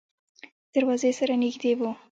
د دروازې سره نږدې و.